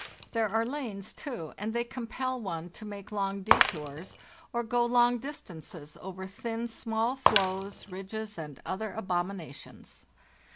There are lanes, too, and they compel one to make long detours or go long distances over thin, small floes, ridges, and other abominations.